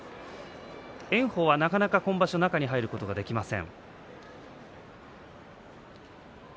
炎鵬はなかなか今場所中に入ることができません。